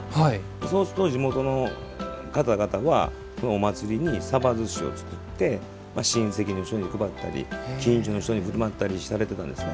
そうすると地元の方々はお祭りにさばずしを作って親戚の人に配ったり近所の人にふるまったりされていたんですね。